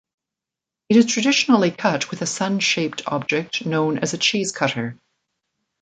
It is traditionally cut with a sun-shaped object known as a cheese cutter.